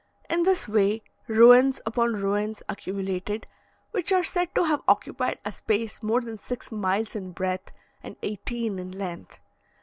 In this way, ruins upon ruins accumulated, which are said to have occupied a space more than six miles in breadth, and eighteen in length.